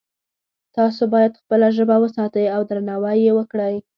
تاسو باید خپله ژبه وساتئ او درناوی یې وکړئ